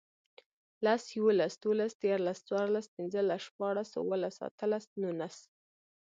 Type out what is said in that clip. لس, یوولس, دوولس, دیرلس، څورلس, پنځلس, شپاړس, اووهلس, اتهلس, نونس